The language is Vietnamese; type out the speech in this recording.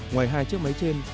ngoài hai chiếc máy trên